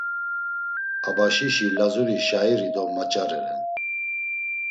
Abaşişi Lazuri şairi do maç̌are ren.